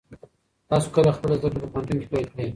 تاسو کله خپلې زده کړې په پوهنتون کې پیل کړې؟